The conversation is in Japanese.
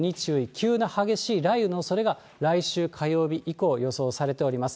急な激しい雷雨のおそれが来週火曜日以降、予想されております。